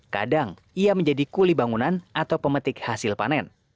kadang ia menjadi kuli bangunan atau pemetik hasil panen